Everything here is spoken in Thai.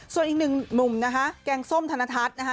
ส่วนอีกหนึ่งหนุ่มนะคะแกงส้มธนทัศน์นะคะ